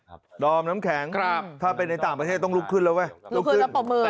ดอมน้ำแข็งครับถ้าเป็นในต่างประเทศต้องลุกขึ้นแล้วเว้ยลุกขึ้นแล้วปรบมือ